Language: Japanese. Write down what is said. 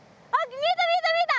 見えた見えた見えた！